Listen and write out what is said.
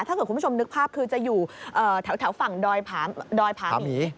ถ้าเกิดคุณผู้ชมนึกภาพคือจะอยู่แถวฝั่งดอยผาหมี